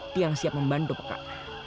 tiang siap membantu pekak